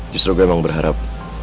justru gue emang berharap